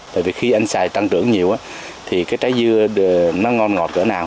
tại vì khi anh xài tăng trưởng nhiều á thì cái trái dưa nó ngon ngọt cỡ nào